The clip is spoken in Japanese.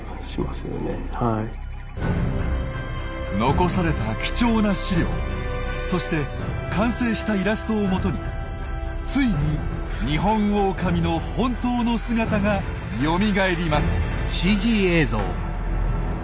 残された貴重な資料そして完成したイラストをもとについにニホンオオカミの本当の姿がよみがえります！